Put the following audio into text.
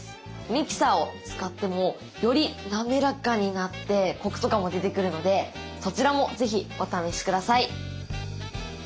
ミキサーを使ってもより滑らかになってコクとかも出てくるのでそちらも是非お試しください。